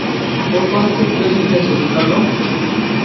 কোন কলেজ থেকে গ্রাজুয়েট হয়েছো, রিকার্ডো?